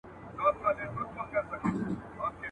راغلی مه وای زما له هیواده !.